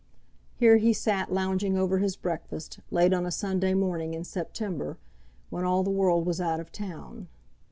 Here he sat lounging over his breakfast, late on a Sunday morning in September, when all the world was out of town.